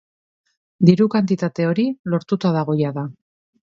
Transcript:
Diru kantitate hori, lortuta dago jada.